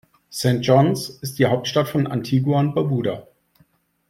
St. John’s ist die Hauptstadt von Antigua und Barbuda.